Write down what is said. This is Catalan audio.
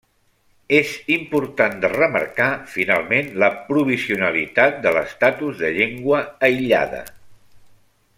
És important de remarcar, finalment, la provisionalitat de l'estatus de llengua aïllada.